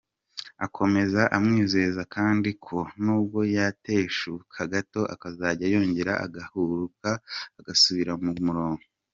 Akomeza amwizeza kandi ko nubwo yateshuka gato azajya yongera agahaguruka agasubira ku murongo.